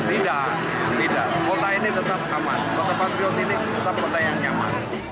tidak tidak kota ini tetap aman kota patriot ini tetap kota yang nyaman